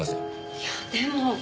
いやでも。